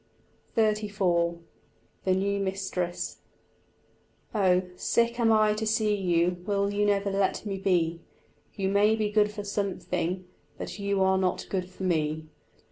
XXXIV THE NEW MISTRESS _ "Oh, sick I am to see you, will you never let me be? You may be good for something, but you are not good for me.